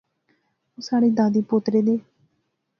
او ساڑھے دادیں پوترے دے